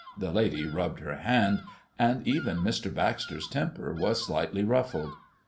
the lady rubbed her hand; and even Mr. Baxter's temper was slightly ruffled.